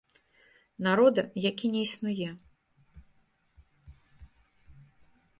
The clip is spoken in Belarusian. Народа, які не існуе.